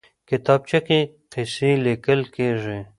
کتابچه کې قصې لیکل کېږي